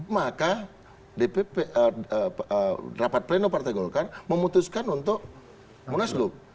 maka rapat pleno partai golkar memutuskan untuk munaslup